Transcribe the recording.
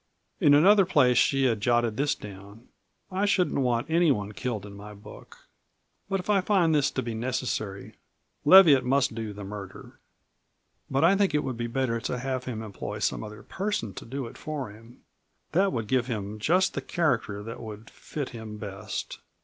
In another place she had jotted this down: "I shouldn't want anyone killed in my book, but if I find this to be necessary Leviatt must do the murder. But I think it would be better to have him employ some other person to do it for him; that would give him just the character that would fit him best.